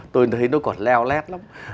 tôi thấy nó còn leo lét lắm